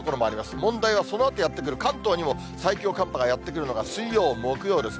問題はそのあとやって来る関東にも最強寒波がやって来るのが、水曜、木曜ですね。